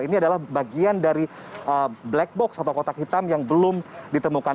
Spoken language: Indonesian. ini adalah bagian dari black box atau kotak hitam yang belum ditemukan